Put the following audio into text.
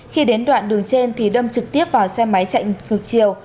khi đến đoạn đường trên thì đâm trực tiếp vào xe máy chạy ngược chiều